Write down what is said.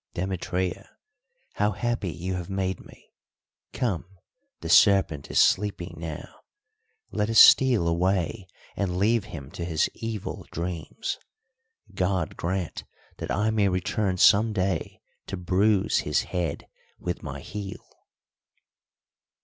"Demetria, how happy you have made me! Come, the serpent is sleeping now, let us steal away and leave him to his evil dreams. God grant that I may return some day to bruise his head with my heel."